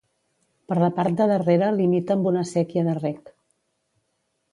Per la part de darrere limita amb una séquia de reg.